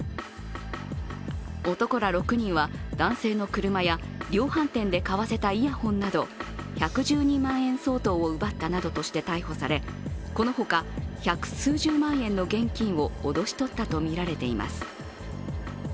男ら６人は男性の車や量販店で買わせたイヤホンなど１１２万円相当を奪ったなどとして逮捕されこのほか、百数十万円の現金を脅し取ったとみられています。